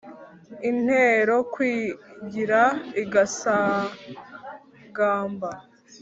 intero kwigira igasagamba